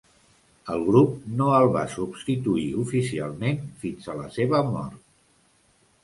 El grup no el va substituir oficialment fins a la seva mort.